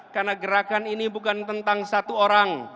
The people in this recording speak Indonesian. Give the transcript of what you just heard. karena gerakan ini bukan tentang satu orang